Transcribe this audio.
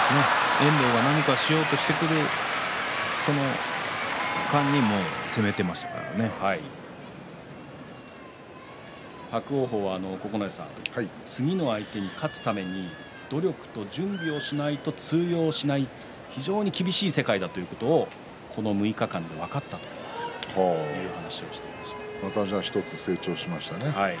遠藤が何かしようとしてくる伯桜鵬は次の相手に勝つために努力と準備をしないと通用しない非常に厳しい世界だということをこの６日間で分かったまた１つ成長しましたね